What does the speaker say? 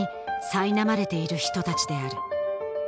「さいなまれている人たちである」